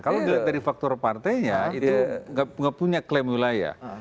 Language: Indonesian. kalau dilihat dari faktor partainya itu nggak punya klaim wilayah